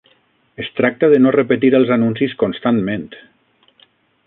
Es tracta de no repetir els anuncis constantment.